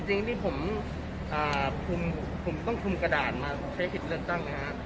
จริงที่ผมต้องคุมขดาดมาใช้ผิดเลือกตั้ง